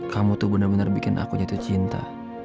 kamu tuh bener bener bikin aku jatuh cinta